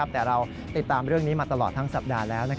แต่เราติดตามเรื่องนี้มาตลอดทั้งสัปดาห์แล้ว